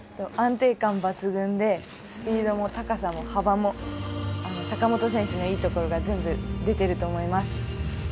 安定感抜群でスピードも高さも幅も坂本選手のいいところが全部出ていると思います。